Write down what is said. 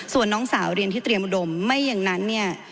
ส่วนน้องสาวเรียนที่เตรียมอุดมไม่อย่างนั้นเนี่ย